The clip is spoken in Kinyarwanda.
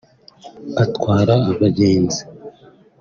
atwara abagenzi